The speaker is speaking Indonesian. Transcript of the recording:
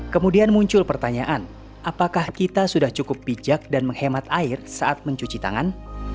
kemudian muncul pertanyaan apakah kita sudah cukup bijak dan menghemat air saat mencuci tangan